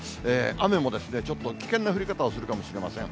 雨もちょっと危険な降り方をするかもしれません。